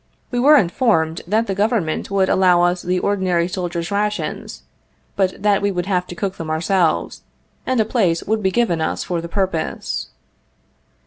We were informed that the Govern ment would allow us the ordinary soldiers' rations, but that we would have to cook them ourselves, and a place would be given us for the purpose.